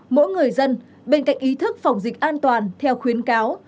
mỗi người dân bên cạnh ý thức phòng dịch an toàn theo khuyến cáo